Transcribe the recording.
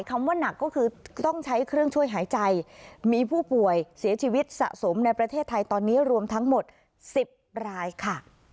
คำว่าหนักก็คือต้องใช้เครื่องช่วยหายใจมีผู้ป่วยเสียชีวิตสะสมในประเทศไทยตอนนี้รวมทั้งหมด๑๐รายค่ะ